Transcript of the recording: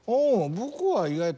僕は意外と。